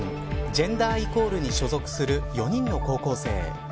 ジェンダーイコールに所属する４人の高校生。